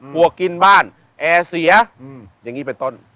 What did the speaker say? วกกินบ้านแอร์เสียอย่างนี้เป็นต้น